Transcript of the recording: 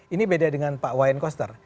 ini beda dengan pak wayan koster